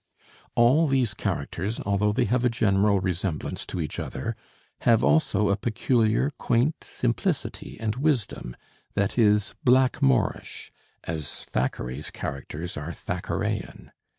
All these characters, although they have a general resemblance to each other, have also a peculiar, quaint simplicity and wisdom that is Blackmoreish, as Thackeray's characters are Thackeraian.